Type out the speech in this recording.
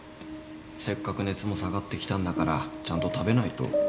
せっかく熱も下がってきたんだからちゃんと食べないと。